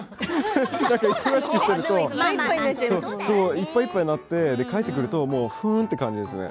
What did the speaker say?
いっぱいいっぱいになって帰ってくると、ふうって感じ。